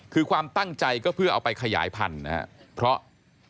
คือความตั้งใจก็เพื่อเอาไปขยายพันธุ์นะครับเพราะ